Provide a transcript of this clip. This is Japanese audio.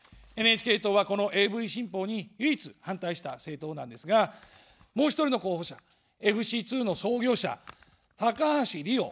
ＮＨＫ党は、このＡＶ新法に唯一反対した政党なんですが、もう１人の候補者、ＦＣ２の創業者・高橋理洋。